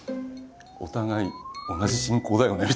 「お互い同じ信仰だよね」